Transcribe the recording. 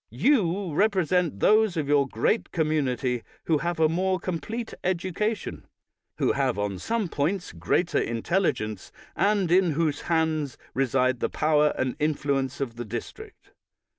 You represent those of your great community who have a more com plete education, who have on some points greater intelligence, and in whose hands reside the power and influence of the district.